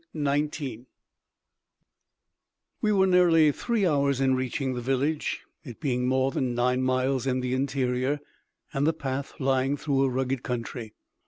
CHAPTER 19 We were nearly three hours in reaching the village, it being more than nine miles in the interior, and the path lying through a rugged country.